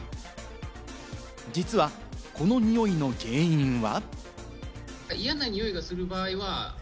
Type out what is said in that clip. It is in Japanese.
実はこのにおいの原因は。